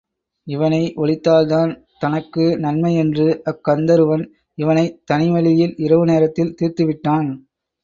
இவனை ஒழித்தால்தான் தனக்கு நன்மை என்று அக்கந்தருவன் இவனைத் தனி வழியில் இரவு நேரத்தில் தீர்த்துவிட்டான்.